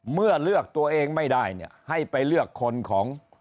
เมื่อเลือกตัวเองไม่ได้เนี่ยให้ไปเลือกคนของ